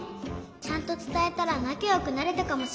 ちゃんとつたえたらなかよくなれたかもしれないのに。